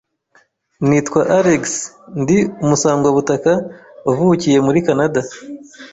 Nitwa Alex, ndi umusangwabutaka wavukiye muri Canada.